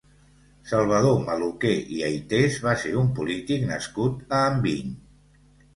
Salvador Maluquer i Aytés va ser un polític nascut a Enviny.